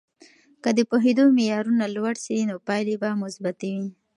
که د پوهیدو معیارونه لوړ سي، نو پایلې به مثبتې وي.